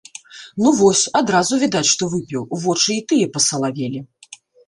Ну, вось, адразу відаць, што выпіў, вочы і тыя пасалавелі.